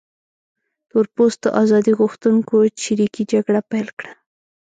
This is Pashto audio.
تور پوستو ازادي غوښتونکو چریکي جګړه پیل کړه.